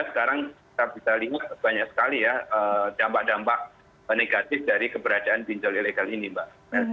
sekarang kita bisa lihat banyak sekali ya dampak dampak negatif dari keberadaan pinjol ilegal ini mbak